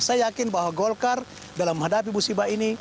saya yakin bahwa golkar dalam menghadapi musibah ini